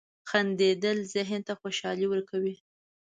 • خندېدل ذهن ته خوشحالي ورکوي.